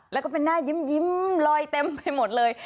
แล้วก็เป็นหน้ายิ้มลอยเต็มไปหมดเลย